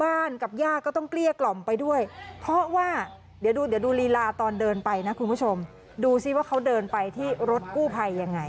กับย่าก็ต้องเกลี้ยกล่อมไปด้วยเพราะว่าเดี๋ยวดูเดี๋ยวดูลีลาตอนเดินไปนะคุณผู้ชมดูสิว่าเขาเดินไปที่รถกู้ภัยยังไง